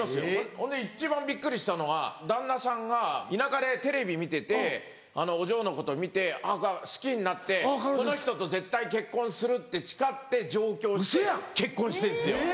ほんで一番びっくりしたのが旦那さんが田舎でテレビ見ててお嬢のこと見て好きになってこの人と絶対結婚するって誓って上京して結婚してるんですよ